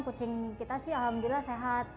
kucing kita sih alhamdulillah sehat